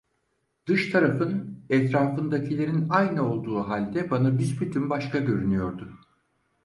Dış tarafın etrafındakilerin aynı olduğu halde bana büsbütün başka görünüyordu.